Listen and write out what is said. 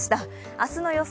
明日の予想